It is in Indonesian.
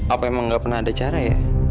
apa emang gak pernah ada cara ya